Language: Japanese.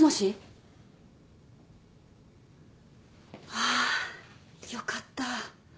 ああよかった。